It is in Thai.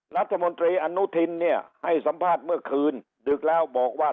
รัฐมนตรีอนุทินเนี่ยให้สัมภาษณ์เมื่อคืนดึกแล้วบอกว่า